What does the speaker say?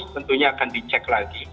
tentunya akan dicek lagi